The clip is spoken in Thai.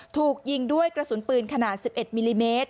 ถูกยิงด้วยกระสุนปืนขนาด๑๑มิลลิเมตร